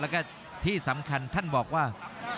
แล้วก็ที่สำคัญท่านบอกว่า